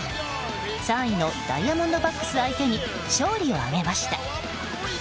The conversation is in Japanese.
３位のダイヤモンドバックス相手に勝利を挙げました。